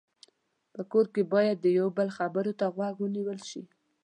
په کور کې باید د یو بل خبرو ته غوږ ونیول شي.